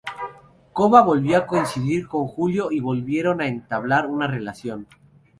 Cova volvió a coincidir con Julio y volvieron a entablar una relación.